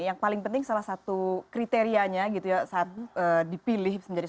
yang paling penting salah satu kriterianya gitu ya saat dipilih menjadi